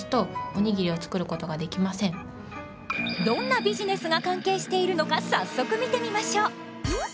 どんなビジネスが関係しているのか早速見てみましょう。